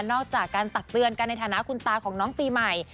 จากการตักเตือนกันในฐานะคุณตาของน้องปีใหม่